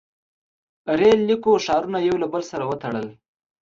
• ریل لیکو ښارونه یو له بل سره وتړل.